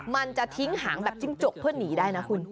มันจะทิ้งหางแบบจิ้งจกเพื่อหนีได้นะคุณ